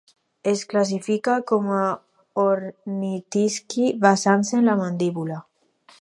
Es classifica com a ornitisqui basant-se en la mandíbula.